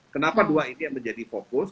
kenapa dua ini yang menjadi fokus